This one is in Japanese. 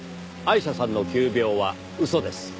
アイシャさんの急病は嘘です。